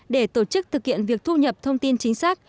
để tổ chức thực hiện việc thu nhập thông tin chính xác